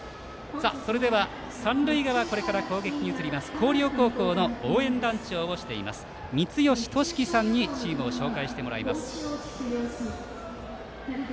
それでは三塁側これから攻撃に移ります広陵高校の応援団長をしています光吉俊貴さんにチームを紹介してもらいます。